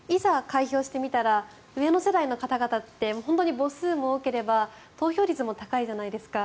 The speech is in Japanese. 開票してみたら上の世代の方々って本当に母数も多ければ投票率も高いじゃないですか。